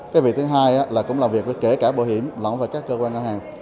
cái việc thứ hai là cũng là việc kể cả bộ hiểm lõng về các cơ quan đoàn hàng